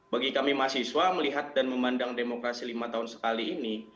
bagi kami mahasiswa melihat dan memandang demokrasi lima tahun sekali ini